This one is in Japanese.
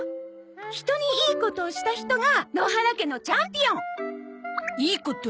人にいいことをした人が野原家のチャンピオン！いいこと？